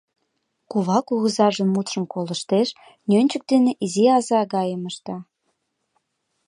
Кува кугызажын мутшым колыштеш, нӧнчык дене изи аза гайым ышта.